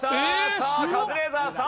さあカズレーザーさん。